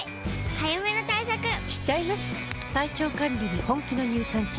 早めの対策しちゃいます。